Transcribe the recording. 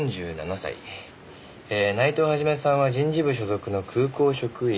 「内藤肇さんは人事部所属の空港職員で」